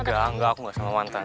enggak enggak aku gak sama mantan